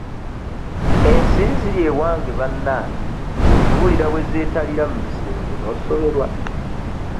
Ensiri ziri ewange bannange oziwulira bwe zeetalira mu bisenge n'osoberwa.